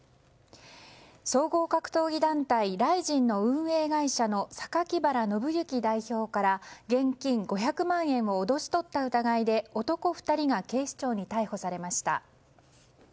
総合格闘技団体ＲＩＺＩＮの運営会社のサカキバラ・ノブユキ代表から現金５００万円を脅し取った疑いで男２人が警視庁に逮捕されました。